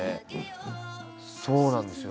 そうなんですよ。